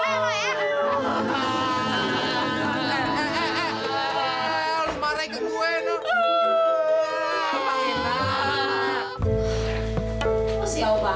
enggak enak tega banget sih emang apa sih